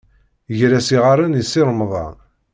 Ger-as iɣallen i Si Remḍan.